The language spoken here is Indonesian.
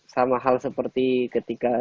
sama hal seperti ketika